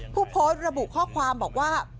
ผู้โพสต์ระบุข้อความบอกว่า